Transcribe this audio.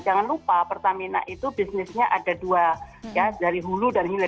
jangan lupa pertamina itu bisnisnya ada dua ya dari hulu dan hilir